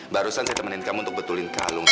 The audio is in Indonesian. barusan saya temenin kamu untuk betulin kalung